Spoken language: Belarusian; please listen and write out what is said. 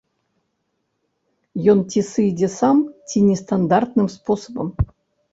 Ён ці сыдзе сам, ці нестандартным спосабам.